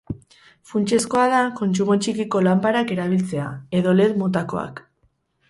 Funtsezkoa da kontsumo txikiko lanparak erabiltzea, edo led motakoak.